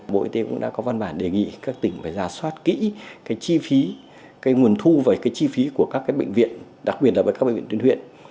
bộ y tế cũng đã có văn bản đề nghị các tỉnh phải ra soát kỹ cái chi phí cái nguồn thu về cái chi phí của các bệnh viện đặc biệt là với các bệnh viện tuyến huyện